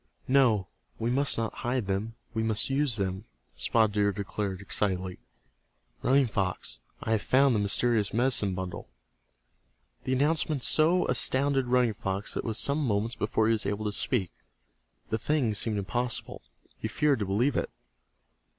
"No, we must not hide them, we must use them," Spotted Deer declared, excitedly. "Running Fox, I have found the mysterious medicine bundle!" The announcement so astounded Running Fox that it was some moments before he was able to speak. The thing seemed impossible. He feared to believe it.